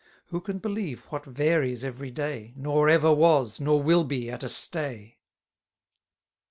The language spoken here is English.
Who can believe what varies every day, Nor ever was, nor will be at a stay?